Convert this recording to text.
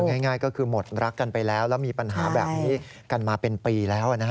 ง่ายก็คือหมดรักกันไปแล้วแล้วมีปัญหาแบบนี้กันมาเป็นปีแล้วนะฮะ